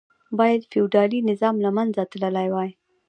باید فیوډالي نظام له منځه تللی وای.